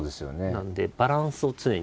なのでバランスを常に。